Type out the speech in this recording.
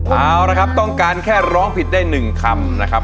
เอาละครับต้องการแค่ร้องผิดได้๑คำนะครับ